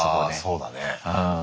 そうだね。